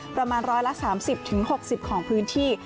ประมาณ๑๓๐๖๐ของพื้นที่